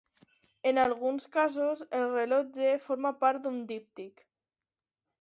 En alguns casos el rellotge forma part d'un díptic.